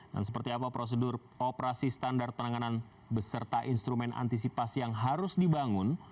dan seperti apa prosedur operasi standar penanganan beserta instrumen antisipasi yang harus dibangun